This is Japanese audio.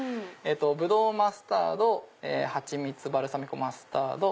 ぶどうマスタードはちみつ・バルサミコマスタード。